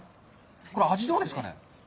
これ、味はどうですかね？